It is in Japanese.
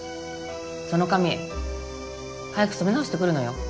その髪早く染め直してくるのよ。